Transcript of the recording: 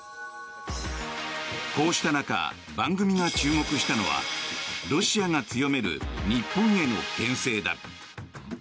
こうした中、番組が注目したのはロシアが強める日本へのけん制だ。